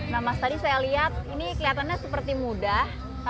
nah mas tadi saya lihat ini kelihatannya seperti mudah